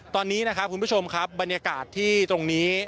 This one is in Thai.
ตอนนี้นะครับคุณผู้ชมครับบรรยากาศที่ตรงนี้